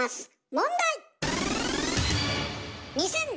問題！